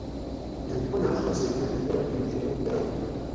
یعنی پنجاۤ خاصیتونہ اختیار کۤروگ شروع کراۤں